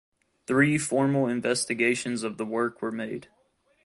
Three formal investigations of the work were made.